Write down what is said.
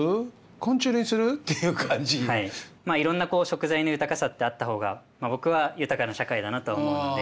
いろんなこう食材の豊かさってあった方が僕は豊かな社会だなって思うので。